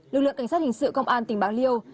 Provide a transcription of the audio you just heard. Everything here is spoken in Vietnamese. lực lượng cảnh sát hình sự công an tỉnh bạc liêu